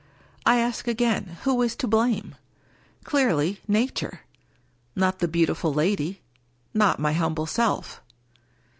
I ask again, Who is to blame ? Clearly, nature. Not the beauti ful lady — ^not my humble self.